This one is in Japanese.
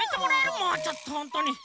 もうちょっとほんとに。